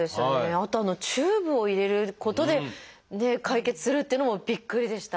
あとあのチューブを入れることで解決するっていうのもびっくりでした。